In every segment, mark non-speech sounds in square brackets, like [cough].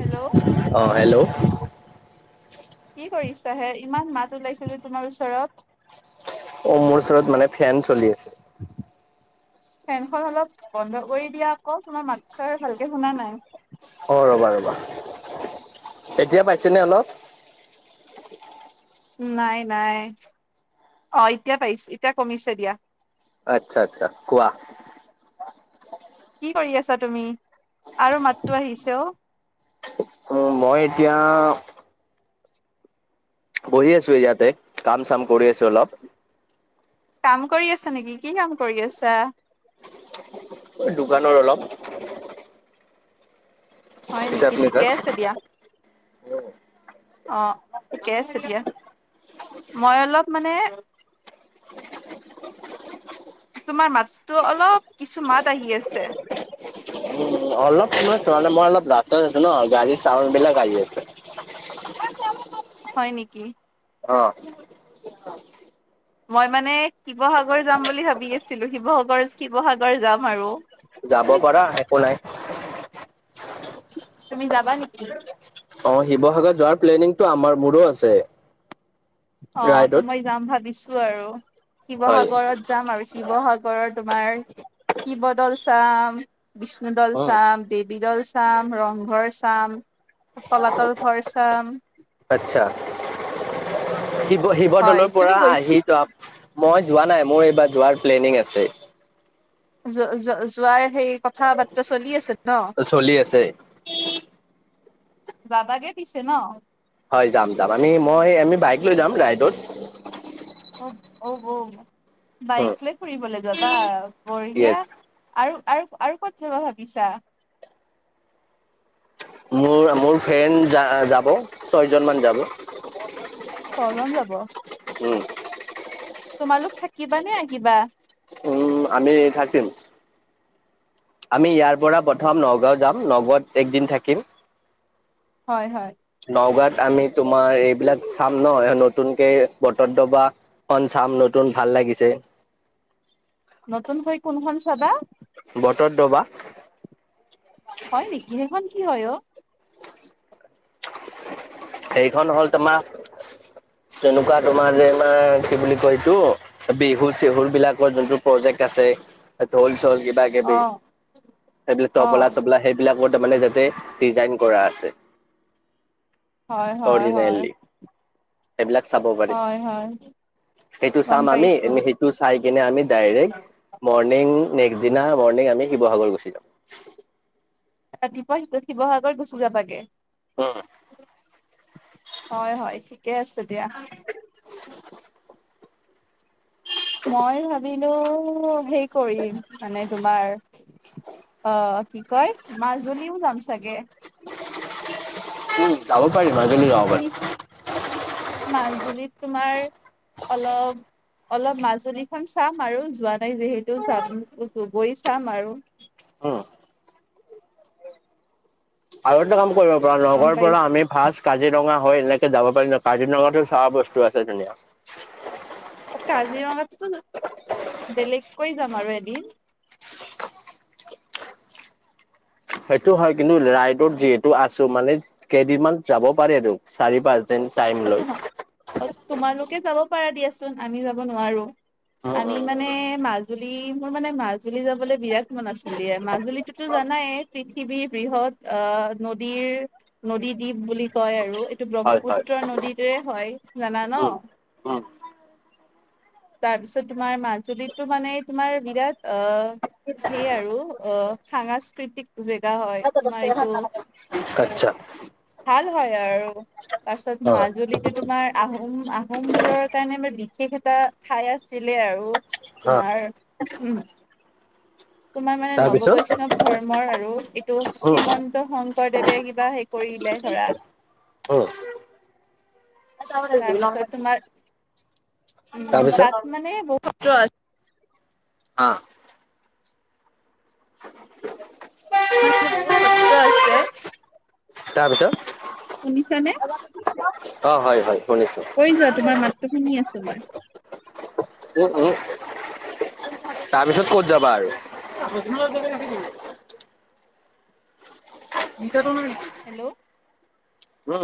Hello কি অ hello কি কৰিছাহে ইমান মাত ওলাইছে যে তোমাৰ ওচৰত অ মোৰ ওচৰত মানে ফেন চলি আছে। ফেনখন অলপ বন্ধ কৰি দিয়া আক', তোমাৰ মাতষাৰ ভালকে শুনা নাই। অ ৰ'বা ৰ'বা। এতিয়া পাইছেনে অলপ? নাই নাই। অ এতিয়া পাইছো এতিয়া কমিছে দিয়া। আচ্ছা আচ্ছা কোৱা। কি কৰি আছা তুমি? আৰু মাততো আহিছে অ। অ মই এতিয়া বহি আছো ইয়াতে কাম চাম কৰি আছো অলপ। কাম কৰি আছা নেকি? কি কাম কৰি আছা? দোকানৰ অলপ। হয় হিচাপ নেকি? ঠিকে নিকাচ আছে দিয়া। অঁ ঠিকে আছে দিয়া। মই অলপ মানে তোমাৰ মাততো অলপ কিছু মাত আহি আছে। উম অলপ সময়, চোৱা মানে মই অলপ ৰাস্তাত আছো ন, গাড়ীৰ চাউণ্ড বিলাক আহি আছে। [unintelligible] [inaudible] হয় নেকি? অঁ। মই মানে শিৱসাগৰ যাম বুলি ভাবি আছিলো, শিৱসাগৰ শিৱসাগৰ যাম আৰু। [unintelligible] যাব পাৰা একো নাই। তুমি যাবা নেকি? [unintelligible] অ শিৱসাগৰত যোৱাৰ প্লেনিংটো আমাৰ মোৰো আছে। অ ত ৰাইডত মই যাম ভাবিছো আৰু, হয় শিৱসাগৰত যাম আৰু শিৱসাগৰত [unintelligible] তোমাৰ শিৱদৌল চাম, বিষ্ণুদল উম চাম, দেৱী দৌল চা চাম, ৰংঘৰ চাম, তলাতল ঘৰ চাম। আচ্ছা শিৱ হয় শিৱদলৰ তুমি পৰা গৈছ আহি ত মই যোৱা নাই, মোৰ এইবাৰ যোৱাৰ প্লেনিং আছে। জ য যোৱাৰ সেই [unintelligible] কথা বাৰ্তা চলি আছে ন? চলি আছে যাবাগে পিছে ন? হয় যাম যাম। আমি মই আমি বাইক লৈ যাম ৰাইডত। অ অ বাইক লৈ ফুৰিবলৈ যাবা? বঢ়িয়া য়েছ আৰু আৰু আৰু ক'ত যাব ভাবিছা? মোৰ মোৰ ফ্ৰেণ্ড যা যাব, ছয়জনমান যাব। ছজন যাব? [unintelligible] উম। তোমালোক থাকিবা নে আহিবা? উম আমি থাকিম। আমি ইয়াৰ পৰা প্ৰথম নগাঁও যাম, নগাঁৱত একদিন থাকিম। হয় হয়। নগাঁৱাত আমি তোমাৰ এইবিলাক চাম ন নতুনকে বটদ্ৰৱা খন চাম, নতুন ভাল লাগিছে। নতুনকৈ কোনখন চাবা? বটদ্ৰৱা। হয় নেকি? সেখন কি হয় অ? সেইখন হ'ল তোমাৰ তেনেকুৱা তোমাৰ যে আমাৰ কি বুলি কয় এইটো বিহু চিহুৰ বিলাকৰ যোনটো প্ৰজেক্ট আ আছে ঢোল চোল কিবা অ কিবি, এইবিলাক অ তবলা চবলা সেইবিলাকত মানে তাতে ডিজাইন কৰা আছে। হয় হয় হয় অৰিজিনেলি। এইবিলাক চাব পাৰি। হয় হয় সেইটো গম চাম আমি পাইছো সেইটো চাই পিনে আমি ডাইৰেক্ট মৰ্নিং নেক্সট দিনা মৰ্ণিং আমি শিৱসাগৰ গুচি যাম ৰাতিপুৱাই শিৱসাগৰত গুচি যাবাগে উম, হয় হয় ঠি [unintelligible] ঠিকে আছে দিয়া মই ভাবিলো হে কৰিম মানে তোমাৰ আ কি কয় মাজুলীও যাম চাগে উম যাব পাৰি মাজুলীও যাব পাৰি মাজুলিত তোমাৰ, অলপ অলপ মাজুলীখন চাম আৰু যোৱা নাই যিহেতু যাম গৈ চাম আৰু [inaudible] উম। আৰু এটা কাম কৰিব পাৰা গম নগাওঁ পৰা পাইছা আমি ফাষ্ট কাজিৰঙা হয় এনেকে যাব পাৰি ন কাজিৰঙাটো চোৱা বস্তু আছে ধুনীয়া কাজিৰঙাততো বেলেগকৈ যাম আৰু এদিন সেইটো হয় কিন্তু ৰাইডত যিহেতু আছো মানে কেইদিনমান যাব পাৰি আৰু চাৰি পাঁচ দিন টাইম অ লৈ। তোমাৰ অ তোমালোকে যাব পাৰা দিয়াচোন আমি যাব নোৱাৰোঁ উম, আমি মানে উম, মাজ মাজুলী মোৰ মানে মাজুলী যাবলৈ বিৰাট মন আছিলে মাজুলীতোতো জানাই পৃথিৱীৰ বৃহৎ আ নদীৰ নদী দ্বীপ বুলি কয় আৰু এইটো হয়, হয়, ব্ৰহ্মপুত্ৰ নদীতেৰে হয় জানা ন উম, উম, তাৰপিছত তোমাৰ মাজুলীতো মানে তোমাৰ বিৰাট আ সেই আৰু আ সাংস্কৃতিক জেগা হয় তোমাৰ এইটো [unintelligible] আচ্ছা ভাল হয় আৰু তাৰপিছত হয় মাজুলীটো তোমাৰ আহোম আহোম বোৰৰ কাৰণে বিশেষ এটা ঠাই আছিলে আৰু হা তোমাৰ, উম তোমাৰ মানে নৱ তাৰপিছত বৈষ্ণৱ ধৰ্মৰ আৰু এইটো উম শ্ৰীমন্ত শং শংকৰদেৱে কিবা হেৰি কৰিলে ধৰা উম তাৰপিছত তোমাৰ, উম তাৰপিছত তাত মানে বহুত আহ মানে বহুত সত্ৰ আছে। তাৰপিছত শুনিছা নে অৱ হয় হয়। শুনিছো কৈ যোৱা তোমাৰ মাতটো শুনি আছো মই উম উম তাৰপিছত ক'ত যাবা আৰু মিটাৰটো নাই নেকি? হেল্ল' উম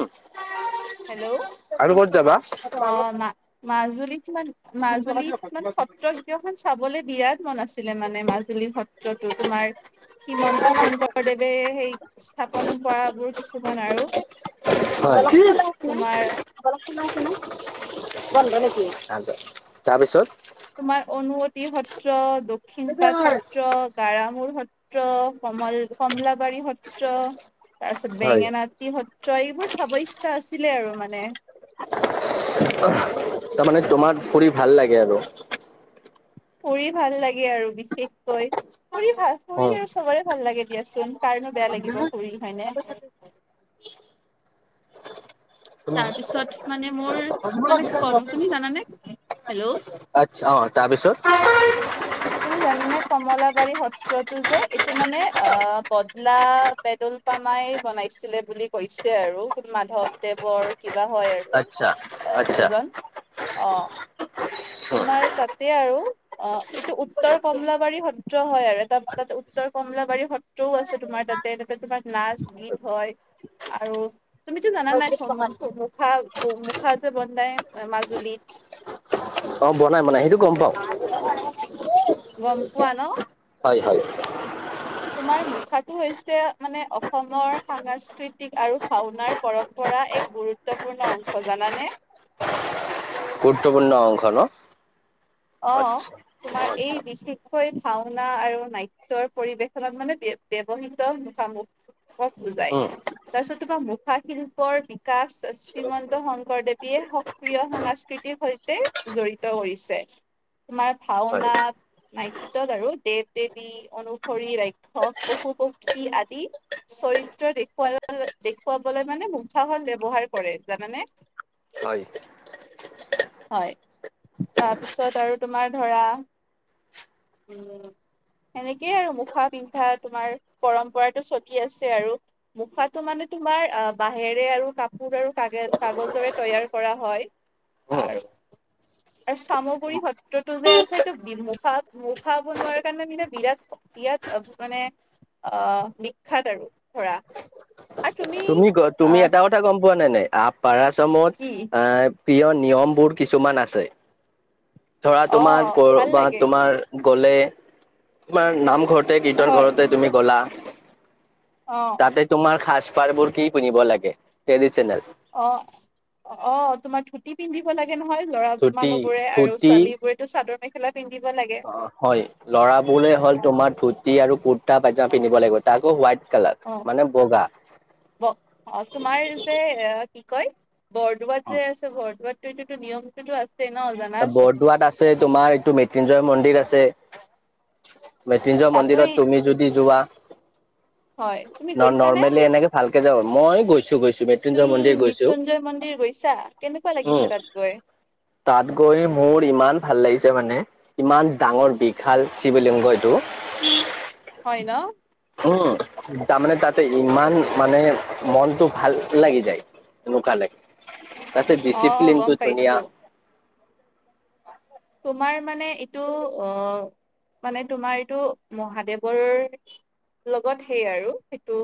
হেল্ল' আৰু ক'ত যাবা অ মা মাজুলীত মান মাজুলীত মানে সত্ৰ গোটেইখন চাবলে বিৰাট মন আছিলে মানে মাজুলী সত্ৰতো তোমাৰ শ্ৰীমন্ত শংকৰদেৱে সেই স্থাপন কৰাবোৰ কিছুমান আৰু অ হয় তোমাৰ [unintelligible] তাৰপিছত তোমাৰ অনুঅতি সত্ৰ দক্ষিণ পাট সত্ৰ গাৰামোৰ সত্ৰ কমল কমলাবাৰী সত্ৰ তাৰপিছত হয় বেঙেনাতি সত্ৰ এইবোৰ চাব ইচ্ছা আছিলে আৰু মানে [unintelligible] তাৰমানে তোমাৰ ফুৰি ভাল লাগে আৰু ফুৰি ভাল লাগে আৰু বিশেষকৈ ফুৰি ভাল, অ ফুৰি আৰু চবৰে ভাল লাগে দিয়াচোন। কাৰণো বেয়া লাগিব ফুৰি হয়নে? তাৰপিছত মানে মোৰ, মানে কম তুমি জানানে? হেল্ল' আচ্ছা অৱ তাৰপিছত? [inaudible] তুমি জানানে কমলাবাৰী সত্ৰতো যে এইটো মানে অ বদলা পেদল পামাই বনাই ছিলে বুলি কৈছে আৰু কোন মাধৱদেৱৰ কিব কিবা হয় আৰু আচ্ছা অ আচ্ছা এজন অৱ তোমাৰ তাতে আৰু অ এইটো উত্তৰ কমলাবাৰী সত্ৰ হয় আৰু এটা তাত উত্তৰ কমলাবাৰী সত্ৰও আছে তোমাৰ তাতে-তাতে তোমাৰ নাচ, গীত হয় আৰু তুমিতো জানা নাই মুখা-মুখা যে বনাই মাজুলীত। অ বনাই-বনাই সেইটো গম পাওঁ। গম পোৱা ন? হয়-হয়। আমাৰ মুখাটো হৈছে মানে অসমৰ সাংস্কৃতিক আৰু ভাওনাৰ পৰম্পৰা এক গুৰুত্বপূৰ্ণ অংশ জানানে? গুৰুত্বপূৰ্ণ অংশ ন। অঁ, আচ্ছা অ তোমাৰ আচ্ছা এই বিশেষকৈ ভাওনা আৰু নাট্যৰ পৰিবেশনত মানে ব্য-ব্যৱহৃত মুখামুখ ক বুজায়। উম তাৰপিছত তোমাৰ মুখাশিল্পৰ বিকাশ চি শ্ৰীমন্ত শংকৰদেৱীয়ে সক্ৰিয় সাংস- কৃতিৰ সৈতে জড়িত কৰিছে। তোমাৰ হয় ভাওনা নাট্যত আৰু দেৱ-দেৱী অনুসৰি ৰাক্ষস, পশু-পক্ষী আদি চৰিত্ৰ দেখুওৱা দেখুৱাবলৈ মানে মুখাখন ব্যৱহাৰ কৰে জানেনে? হয়। হয়, তাৰপিছত আৰু তোমাৰ ধৰা উম। সেনেকেই আৰু মুখা পিন্ধা তোমাৰ পৰম্পৰাটো চলি আছে আৰু মুখাটো মানে তোমাৰ আহ বাঁহেৰে আৰু কাপোৰ আৰু কাগ-কাগজৰে তৈয়াৰ কৰা হয়। উম আৰু, আৰু চামগ পুখুৰী সত্ৰটো যে আছে সেইটো মুখা-মুখা বনোৱাৰ কাৰণে বোলে বিৰাট বিৰাট মানে আহ! বিখ্যাত আৰু ধৰা। তুমি গ তুমি আহ এটা কথা গম পোৱা নে নাই আপাৰ আচামত কি এ প্ৰিয় নিয়মবোৰ কিছুমান আছে, ধৰা অ তোমাৰ ব ভাল বা লাগে তোমাৰ গলে, তোমাৰ নামঘৰতে, কীৰ্তন হয় ঘৰতে তুমি গ'লা অ তাতে তোমাৰ সাজ-পাৰবোৰ কি পিন্ধিব লাগে ট্ৰেডিচনেল? অ অ তোমাৰ ধুতি পিন্ধিব লাগে নহয় ল'ৰা ধুতি মানুহবোৰে আৰু ছোৱালীবোৰেটো চাদৰ মেখ অ হয়, লৰাবোৰে হ'ল তোমাৰ ধুতি আৰু কুৰ্তা পাইজা পিন্ধিব লাগিব তাকো হোৱাইট কালাৰ অ, মানে বগা অ তোমাৰ যে এ কি কয় বৰদোৱাত যে আছে, বৰদোৱাত সেইটোতো নিয়মটোতো আছ বৰদোৱাত আছে, তোমাৰ এইটো মৃত্যুঞ্জয় মন্দিৰ আছে মৃত্যুঞ্জয় তাতো মন্দিৰত এই- তুমি উম, যদি যোৱা হয় তুমি গৈছানে ন-নৰ্মেলি এনেকে ভালকে যাব, মই গৈছোঁ-গৈছোঁ তুমি মৃত্যুঞ্জয় মন্দিৰ গৈছোঁ। মৃত্যুঞ্জয় মন্দিৰ গৈছা, কেনেকুৱা লাগিছে তাত গৈ? তাত গৈ মোৰ ইমান ভাল লাগিছে মানে, ইমান ডাঙৰ বিশাল শিৱলিংগ এইটো হয় ন? উম তাৰমানে তাতে ইমান মানে মনটো ভাল লাগি যায়। লোকালে, তাতে অ ডিচিপ্লিনটো গম ধুনীয়া। পাইছো তোমাৰ মানে এইটো অ, মানে তোমাৰ এইটো মহাদেৱৰ লগত সেই আৰু সেইটো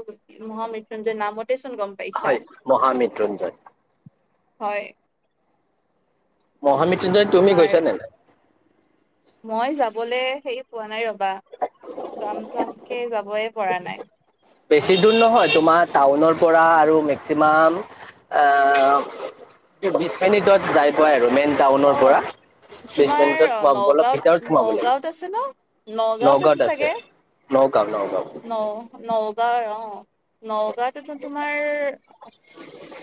মহা মৃত্যুঞ্জয় নামত চোন গম পাইছা, হয় মহামৃত্যুঞ্জয় হয়। মহা মৃত্যুঞ্জয় তুমি তোমাৰ গৈছা নে নাই? মই যাবলে হেৰি পোৱা নাই ৰবা। চাম চামকে যাবই পৰা নাই। বেছি দূৰ নহয় তোমাৰ টাউনৰ পৰা আৰু মেক্সিমাম আহ, বিশ মিনিটত যাই পাই আৰু মেইন অ টাউনৰ পৰা। বিশ তোমাৰ মিনিটত সোমাবলপ [inaudible] নগাঁওত ভিতৰত সোমাব নগাঁওত আছে ন লাগিব নগাঁওত নগাঁৱত চাগে আছে। নগাঁও নগাঁও। হয় অ'। নগাঁওতোতো তোমাৰ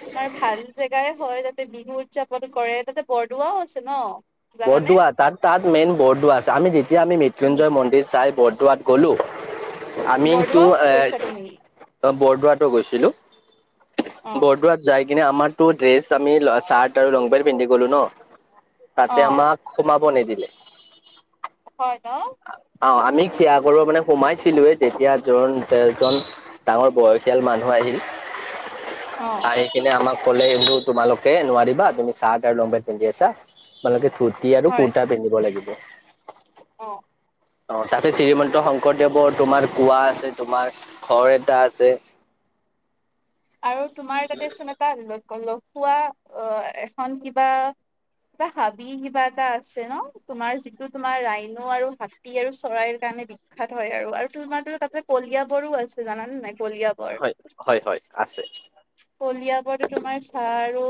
তোমাৰ ভাল জেগাই হয়। তাতে বিহু উদযাপন কৰে। তাতে বৰদোৱাও আছে ন। জানানে? বৰদোৱা তাত তাত মেইন বৰদোৱা আছে। আমি যেতিয়া আমি উম, মৃত্যুঞ্জয় মন্দিৰ চাই বৰদ ত গ'লোঁ। আমিতো বৰদোৱাত গৈছা তুমি? এ বৰদোৱাতো গৈছিলো। অ', বৰদোৱাত যায়। কি আমাৰ ড্ৰেছ আমি চাৰ্ট আৰু লং পেন্ট পিন্ধি গ'লো ন। তাতে অ', আমাক সোমাব। ব নিদিলে। হয় ন। অ' আমি সেয়া কৰিব মানে সোমাইছিলোয়ে যেতিয়া য তেজন ডাঙৰ বয়সীয়াল মানুহ আহিল। অ', আহি কিনে আমাক ক'লে এইবোৰ তোমালোকে নোৱাৰিবা। তুমি চাৰ্ট আৰু লং পেণ্ট পিন্ধি আছা তোমালোকে। ধুতি আৰু হয়। কুৰ্তা পিন্ধিব লাগিব। অ', অ' তাতে শ্ৰীমন্ত শংকৰদেৱৰ তোমাৰ কুৱা আছে তোমাৰ ঘৰ এটা আছে। আৰু তোমাৰ তাতে চোন এটা আহিলৈ। কলখুৱা অ' এখন কিবা। কিবা হাবি কিবা এটা আছে ন তোমাৰ যিটো তোমাৰ ৰাইনু আৰু হাতী আৰু চৰাইৰ কাৰণে। বিখ্যাত হয় আৰু তোমাৰ তো তাতে কলিয়াবৰো আছে জানে নাই। হয় হয় হয়। আছে কলিয়াবৰৰতো তোমাৰ চাহ। আৰু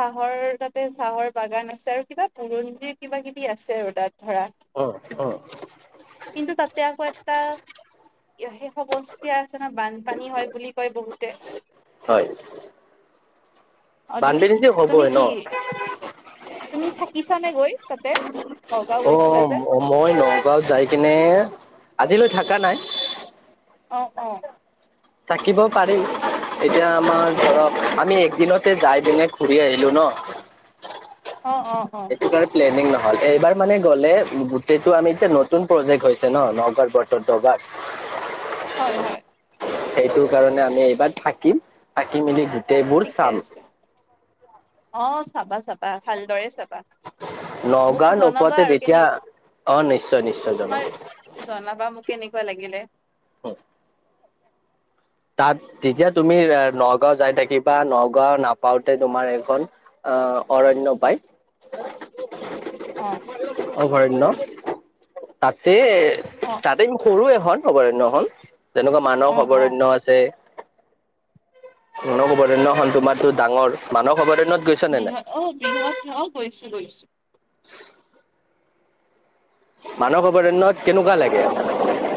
চাহৰ তাতে চাহৰ বাগান আছে আৰু কিবা পুৰঞ্জিৰ কিবা কিবি আছে আৰু তাত। ধৰা উম উম কিন্তু তাতে আকৌ এটা। সেই সমস্যা আছে ন। বানপানী হয় বুলি কয় বহুত হয়। অ তুমি বানপীড়িত যে তুমি হ'বই ন! কি তুমি থাকিছ নে গৈ তাতে। নগাঁও গৈছিলা যে অ' মই নগাঁৱত যাই কিনে আজিলৈ থকা নাই। আহ অ' থাকিব পাৰি। এতিয়া আমাৰ ধ আমি একদিনতে যাই দিনে ঘুৰি আহিলো ন। [inaudible] অ অ এইটো কাৰণে প্লেনিং। নহ'ল এইবাৰ মানে গ'লে গোটেইটো আমি এতিয়া নতুন প্ৰজেক্ট হৈছে ন নগাঁৱ বৰ নগাঁত। হয় হয়। সেইটো কাৰণে আমি এইবাৰ থাকিম থাকি মেলি গোটেইবোৰ ঠিকে চাম। আছে অ' চাবা চাবা ভালদৰে চাবা। মোক নগাঁও জনাবা নোপোৱাতে আৰু যেতিয়া কেনেকে অ নিশ্চয় নিশ্চয় জনাম তোমাৰ জনাবা মোক। কেনেকুৱা লাগিলে? হয়। তাত তেতিয়া তুমি নগাওঁ‌ যাই থাকিবা। নগাঁও নাপাওঁতে তোমাৰ এইখন অ' অৰণ্য পায়। [inaudible] অ' অভয়াৰণ্য তাতে অ তাতে সৰু এখন অভয়াৰণ্য হ'ল। তেনেকোৱা মানস অ অ অভয়াৰণ্য আছে। মানৱ অভয়াৰণ্যখন তোমাৰটো ডাঙৰ মানস অভয়াৰণ্য। বৃহৎ অ' বৃহৎ অ' গৈছো গৈছো। মানস অভয়াৰণ্যত কেনেকোৱা লাগে?